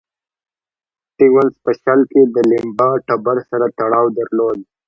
سټیونز په شل کې د لیمبا ټبر سره تړاو درلود.